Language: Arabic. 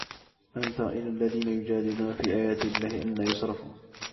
ألم تر إلى الذين يجادلون في آيات الله أنى يصرفون